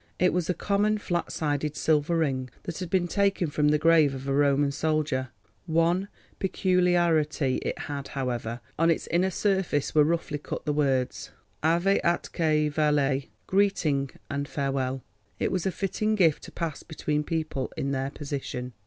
It was a common flat sided silver ring that had been taken from the grave of a Roman soldier: one peculiarity it had, however; on its inner surface were roughly cut the words, "ave atque vale." Greeting and farewell! It was a fitting gift to pass between people in their position.